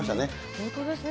本当ですね。